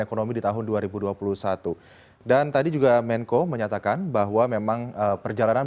ekonomi di tahun dua ribu dua puluh satu dan tadi juga menko menyatakan bahwa memang perjalanan